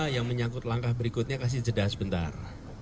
yang menyangkut langkah berikutnya kasih jeda sebentar